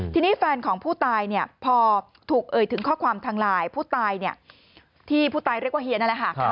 ทีนี้แฟนของผู้ตายเนี่ยพอถูกเอ่ยถึงข้อความทางไลน์ผู้ตายเนี่ยที่ผู้ตายเรียกว่าเฮียนั่นแหละค่ะ